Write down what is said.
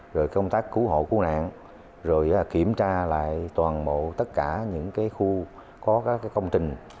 rồi công tác cứu hộ cứu nạn rồi kiểm tra lại toàn bộ tất cả những khu có các công trình